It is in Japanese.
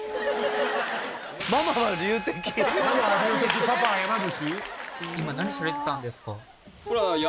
ママは龍笛パパは山伏？